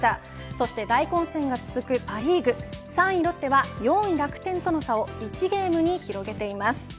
そして大混戦が続くパ・リーグ３位ロッテは４位楽天との差を１ゲームに広げています。